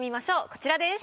こちらです。